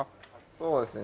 そうですね。